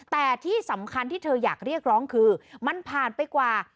แต่ที่สำคัญที่เธออยากเรียกร้องคือมันผ่านไปกว่า